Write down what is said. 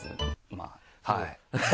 「まぁはい」